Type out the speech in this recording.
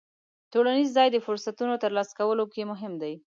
ټولنیز ځای د فرصتونو ترلاسه کولو کې مهم دی.